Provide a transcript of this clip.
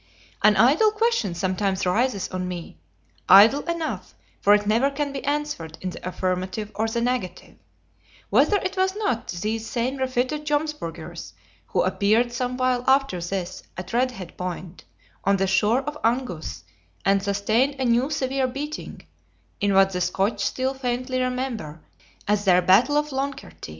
An idle question sometimes rises on me, idle enough, for it never can be answered in the affirmative or the negative, Whether it was not these same refitted Jomsburgers who appeared some while after this at Red Head Point, on the shore of Angus, and sustained a new severe beating, in what the Scotch still faintly remember as their "Battle of Loncarty"?